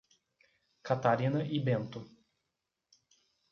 Catarina e Bento